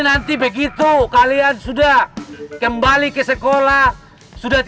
nanti begitu kalian sudah kembali ke sekolah